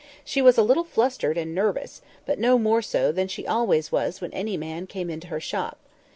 She was a little fluttered and nervous, but no more so than she always was when any man came into her shop.